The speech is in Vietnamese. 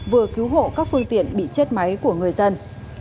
vừa cứu hộ các phương tiện bị chết máy của người dân